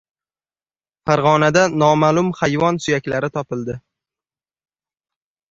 Farg‘onada noma’lum hayvon suyaklari topildi